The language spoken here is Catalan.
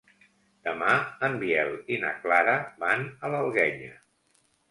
Demà en Biel i na Clara van a l'Alguenya.